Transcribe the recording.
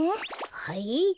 はい？